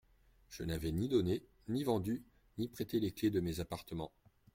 Je n'avais ni donné, ni vendu, ni prêté les clefs de mes appartements.